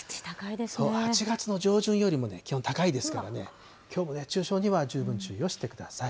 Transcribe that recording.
そう、８月の上旬よりもね、気温高いですからね、きょうも熱中症には十分注意をしてください。